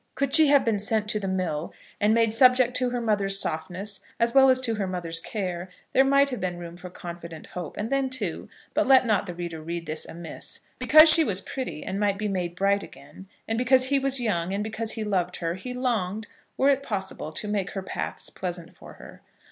Could she have been sent to the mill, and made subject to her mother's softness as well as to her mother's care, there might have been room for confident hope. And then, too, but let not the reader read this amiss, because she was pretty and might be made bright again, and because he was young, and because he loved her, he longed, were it possible, to make her paths pleasant for her.